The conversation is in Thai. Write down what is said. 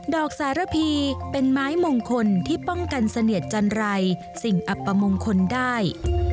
อกสารพีเป็นไม้มงคลที่ป้องกันเสนียดจันรัยสิ่งอัปมงคลได้